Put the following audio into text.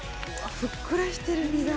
ふっくらしてる身が。